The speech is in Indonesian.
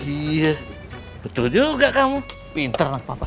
iya betul juga kamu pinter lah papa